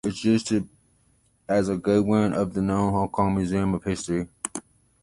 It is used as a godown of the Hong Kong Museum of History.